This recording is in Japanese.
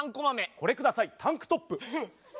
これ下さいタンクトップ。